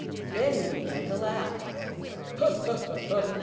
Then he began to laugh. "Ha, ha, ha!